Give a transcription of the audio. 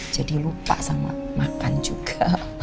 jadi lupa sama makan juga